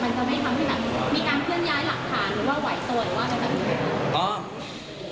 มันจะทำให้มีการเคลื่อนย้ายหลักฐานหรือว่าไหวโตหรือว่าอะไรกันอยู่